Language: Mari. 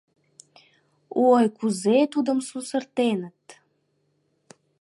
Ой, кузе тудым сусыртеныт!